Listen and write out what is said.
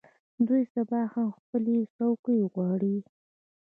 دوی سبا هم خپلې څوکۍ غواړي.